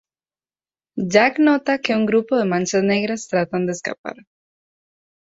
Jack nota que un grupo de manchas negras tratan de escapar.